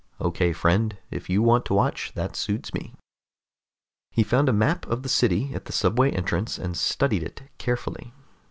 Okay, friend. If you want to watch, that suits me." He found a map of the city at the subway entrance, and studied it carefully.